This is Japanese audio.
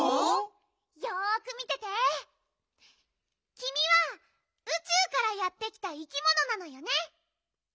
きみはうちゅうからやってきたいきものなのよね？